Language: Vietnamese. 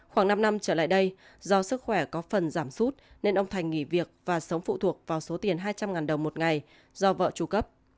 khoảng năm năm trở lại đây do sức khỏe có phần giảm sút nên ông thành nghỉ việc và sống phụ thuộc vào số tiền hai trăm linh đồng một ngày do vợ tru cấp